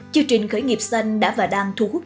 chương trình khởi nghiệp xanh đã và đang thu hút